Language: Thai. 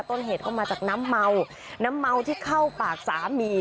ต้นเหตุเข้ามาจากน้ำเมาน้ำเมาที่เข้าปากสามี